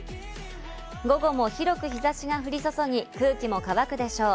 午後も広く日差しが降り注ぎ、空気も乾くでしょう。